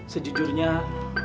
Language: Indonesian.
sejujurnya saya harus berubah